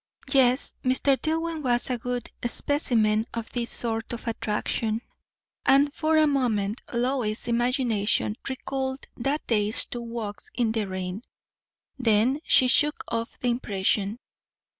Yes, Mr. Dillwyn was a good specimen of this sort of attraction; and for a moment Lois's imagination recalled that day's two walks in the rain; then she shook off the impression.